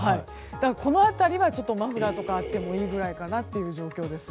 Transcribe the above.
この辺りはマフラーとかあってもいいくらいの状況です。